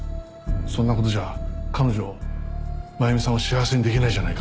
そんな事じゃ彼女を真弓さんを幸せにできないじゃないかって。